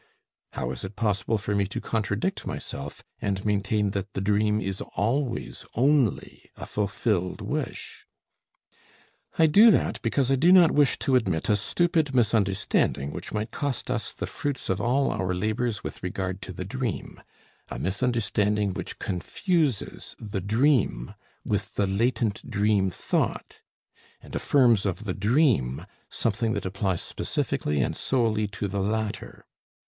How is it possible for me to contradict myself, and maintain that the dream is always only a fulfilled wish? I do that, because I do not wish to admit a stupid misunderstanding which might cost us the fruits of all our labors with regard to the dream, a misunderstanding which confuses the dream with the latent dream thought and affirms of the dream something that applies specifically and solely to the latter.